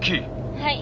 はい。